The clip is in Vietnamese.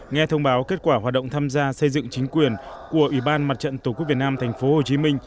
nghe thông báo kết quả hoạt động tham gia xây dựng chính quyền của ủy ban mặt trận tổ quốc việt nam tp hcm